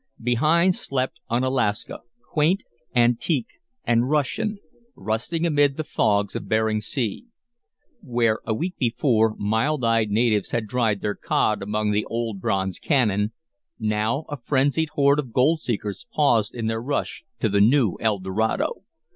Behind slept Unalaska, quaint, antique, and Russian, rusting amid the fogs of Bering Sea. Where, a week before, mild eyed natives had dried their cod among the old bronze cannon, now a frenzied horde of gold seekers paused in their rush to the new El Dorado.